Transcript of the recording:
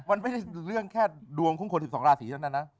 มันไม่ใช่เรื่องแค่ดวงของคน๑๒ราศีเท่านั้นนะ